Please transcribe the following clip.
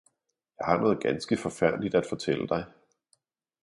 »Jeg har noget ganske Forfærdeligt at fortælle Dig!